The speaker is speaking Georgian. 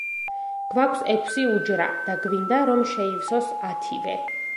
გვაქვს ექვსი უჯრა და გვინდა, რომ შეივსოს ათივე.